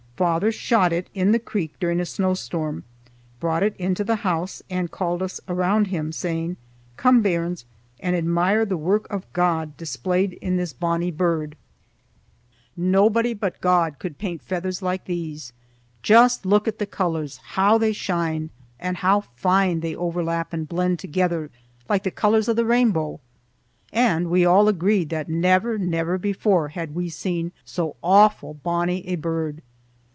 Father shot it in the creek during a snowstorm, brought it into the house, and called us around him, saying: "Come, bairns, and admire the work of God displayed in this bonnie bird. Naebody but God could paint feathers like these. Juist look at the colors, hoo they shine, and hoo fine they overlap and blend thegether like the colors o' the rainbow." And we all agreed that never, never before had we seen so awfu' bonnie a bird.